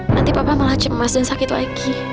nanti papa malah cemas dan sakit lagi